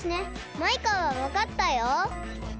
マイカはわかったよ。